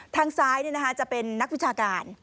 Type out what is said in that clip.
ทางซ้ายจะเป็นนักวิชาการ